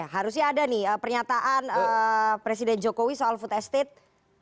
harusnya ada nih pernyataan presiden jokowi soal food estate